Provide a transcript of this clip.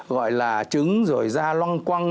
gọi là trứng rồi da long quăng